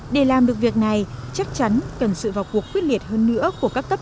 để làm được việc này chắc chắn cần sự vào cuộc quyết liệt hơn nữa của các cấp